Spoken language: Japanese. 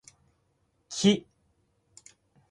木